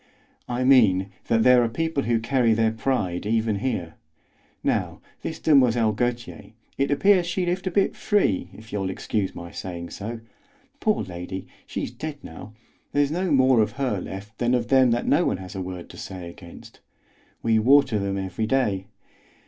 "I mean that there are people who carry their pride even here. Now, this Demoiselle Gautier, it appears she lived a bit free, if you'll excuse my saying so. Poor lady, she's dead now; there's no more of her left than of them that no one has a word to say against. We water them every day.